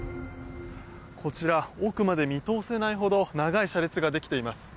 こちら奥まで見通せないほど長い車列ができています。